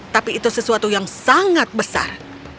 tapi itu sesuatu yang sangat besar